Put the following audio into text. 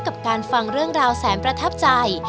กับการฟังเรื่องราวแสนประทับใจ